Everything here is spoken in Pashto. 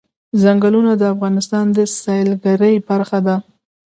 ځنګلونه د افغانستان د سیلګرۍ برخه ده.